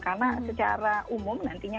karena secara umum nantinya